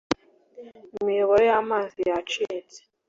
imiyoboro yamazi yacitse.